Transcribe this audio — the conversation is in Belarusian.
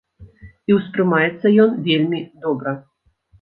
І ўспрымаецца ён вельмі добра.